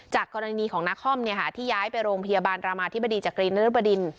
จากกรณีของนาคอมเนี่ยค่ะที่ย้ายไปโรงพยาบาลรามอธิบดีจากกรีนรับดิน